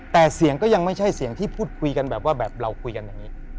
แต่เสียงก็ยังไม่ใช่เสียงที่พูดคุยกันแบบว่าแบบเราคุยกันอย่างนี้